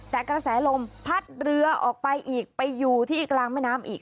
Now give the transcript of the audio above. แต่กระแสลมพัดเรือออกไปอีกไปอยู่ที่กลางแม่น้ำอีก